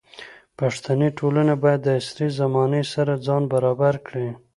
پښتني ټولنه باید د عصري زمانې سره ځان برابر کړي.